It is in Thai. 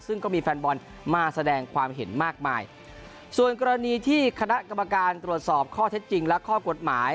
ซึ่งก็มีแฟนบอลมาแสดงความเห็นมากมายส่วนกรณีที่คณะกรรมการตรวจสอบข้อเท็จจริงและข้อกฎหมาย